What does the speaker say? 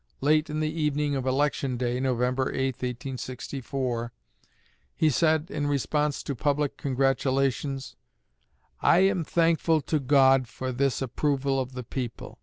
Late in the evening of election day (November 8, 1864) he said, in response to public congratulations: "I am thankful to God for this approval of the people.